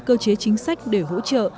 cơ chế chính sách để hỗ trợ